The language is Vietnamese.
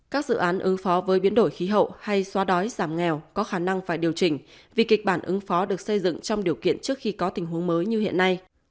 các dự án ứng phó với biến đổi khí hậu hay xóa đói giảm nghèo có khả năng phải điều chỉnh vì kịch bản ứng phó được xây dựng trong điều kiện trước khi có tình huống mới như hiện nay